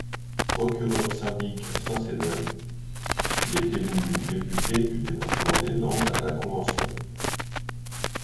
Procureur-syndic à Saint-Sever, il est élu député du département des Landes à la Convention.